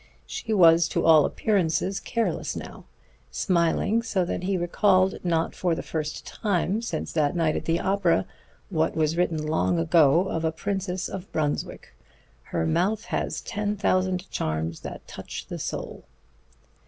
She was to all appearances careless now, smiling so that he recalled, not for the first time since that night at the opera, what was written long ago of a Princess of Brunswick: "Her mouth has ten thousand charms that touch the soul."